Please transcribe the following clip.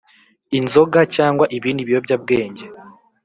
inzoga cyangwa ibindi biyobyabwenge